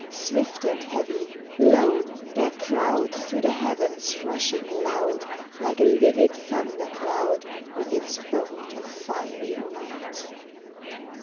Swift and heavy, lo, their crowd Through the heavens rushing loud, Like a livid thunder cloud With its bolt of fiery night